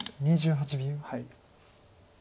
２８秒。